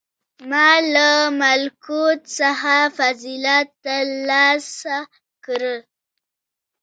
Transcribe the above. • ما له ملکوت څخه فضیلت تر لاسه کړ.